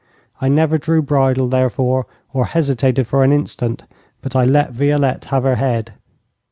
I never drew bridle, therefore, or hesitated for an instant, but I let Violette have her head.